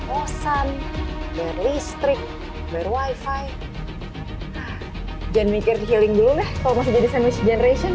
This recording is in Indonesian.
kosan dari listrik wi fi jangan mikir healing dulu deh kalau masih jadi sandwich generation